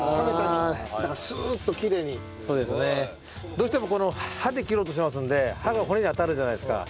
どうしてもこの刃で切ろうとしますので刃が骨に当たるじゃないですか。